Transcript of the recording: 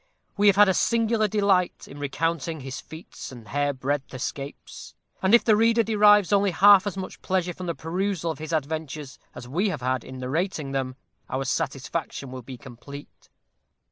We have had a singular delight in recounting his feats and hairbreadth escapes; and if the reader derives only half as much pleasure from the perusal of his adventures as we have had in narrating them, our satisfaction will be complete.